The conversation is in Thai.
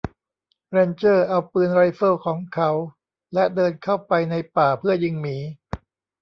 แรนเจอร์เอาปืนไรเฟิลของเขาและเดินเข้าไปในป่าเพื่อยิงหมี